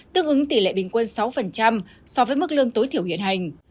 tương ứng tỷ lệ bình quân sáu so với mức lương tối thiểu hiện hành